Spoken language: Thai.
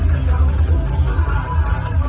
มันเป็นเมื่อไหร่แล้ว